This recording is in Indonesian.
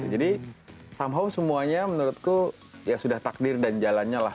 jadi somehow semuanya menurutku ya sudah takdir dan jalan nyalah